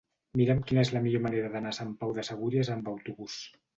Mira'm quina és la millor manera d'anar a Sant Pau de Segúries amb autobús.